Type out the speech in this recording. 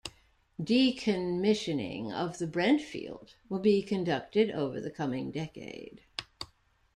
Decommissioning of the Brent field will be conducted over the coming decade.